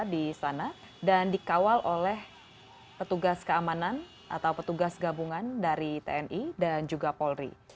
di sana dan dikawal oleh petugas keamanan atau petugas gabungan dari tni dan juga polri